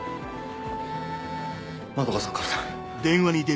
円さんからだ。